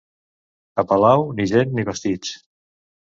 A Palau, ni gent ni vestits.